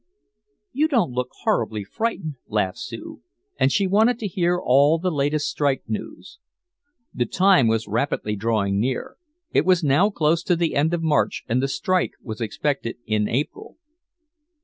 "You don't look horribly frightened," laughed Sue. And she wanted to hear all the latest strike news. The time was rapidly drawing near. It was now close to the end of March and the strike was expected in April.